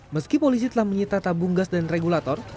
meski polisi telah menyita tabung gas dan regulator